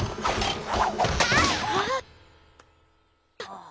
ああ！